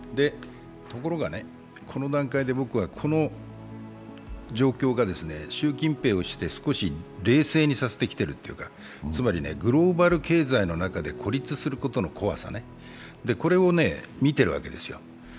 ところが、この段階でこの状況が習近平をして少し冷静にさせてきているというかつまりグローバル経済の中で孤立することの怖さこれを見ているわけですよ。